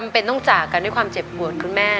เป็นต้องจากกันด้วยความเจ็บปวดคุณแม่